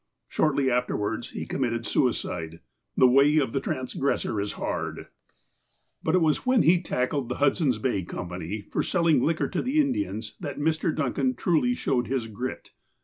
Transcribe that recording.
Shortly afterwards, he committed suicide. The way of the transgressor is hard ! But it was when he tackled the Hudson's Bay Com pany, for selling liquor to the Indians, that Mr. Duncan truly showed his grit.